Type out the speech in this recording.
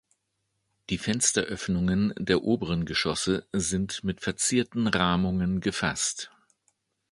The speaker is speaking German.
Die Fensteröffnungen der oberen Geschossen sind mit verzierten Rahmungen gefasst.